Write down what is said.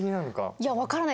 いやわからない。